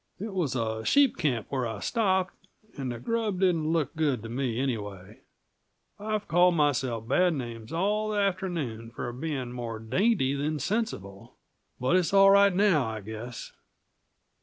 It was a sheep camp where I stopped, and the grub didn't look good to me, anyway I've called myself bad names all the afternoon for being more dainty than sensible. But it's all right now, I guess."